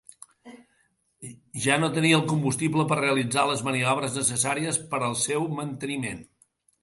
Ja no tenia el combustible per realitzar les maniobres necessàries per al seu manteniment.